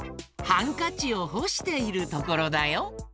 ハンカチをほしているところだよ。